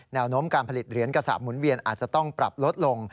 แนวโน้มการผลิตเหรียญกระสาปหมุนเวียนอาจจะต้องปรับลดลง